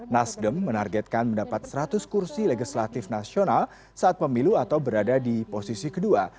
nasdem menargetkan mendapat seratus kursi legislatif nasional saat pemilu atau berada di posisi kedua